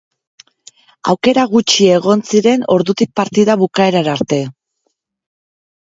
Aukera gutxi egon ziren ordutik partida bukaerara arte.